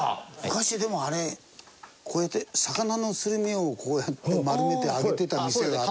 昔でもあれこうやって魚のすり身をこうやって丸めて揚げてた店があったな。